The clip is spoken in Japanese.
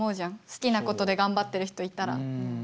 好きなことで頑張ってる人いたら。